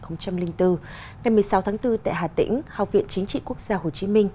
ngày một mươi sáu tháng bốn tại hà tĩnh học viện chính trị quốc gia hồ chí minh